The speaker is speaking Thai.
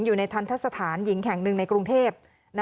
อยู่ในทันทะสถานหญิงแห่งหนึ่งในกรุงเทพ